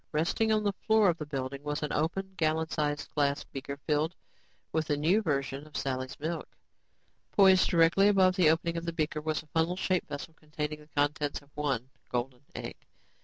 Resting on the floor of the building was an open, gallon sized glass beaker filled with the new version of Sally's milk. Poised directly above the opened beaker was a funnel shaped vessel containing the contents of one golden egg.